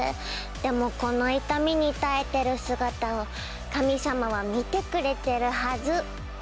でもこの痛みに耐えてる姿を神様は見てくれてるはず！